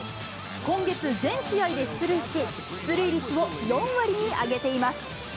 今月、全試合で出塁し、出塁率を４割に上げています。